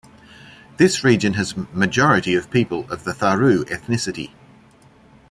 This region has majority of people of the Tharu ethnicity.